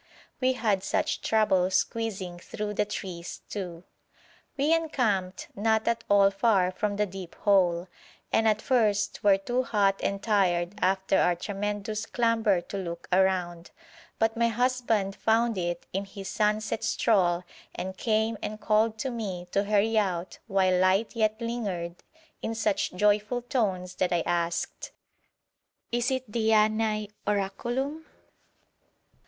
We had such trouble squeezing through the trees, too. We encamped not at all far from the deep hole, and at first were too hot and tired after our tremendous clamber to look round, but my husband found it in his sunset stroll, and came and called to me to hurry out while light yet lingered in such joyful tones that I asked, 'Is it Dianæ Oraculum?'